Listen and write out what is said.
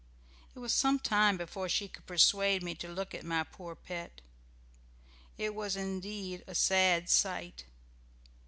It was some time before she could persuade me to look at my poor pet. It was indeed a sad sight.